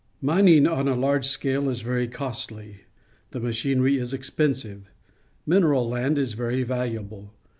Mining on a large scale is very costly. The machinery is expensive. Mineral land is very valuable.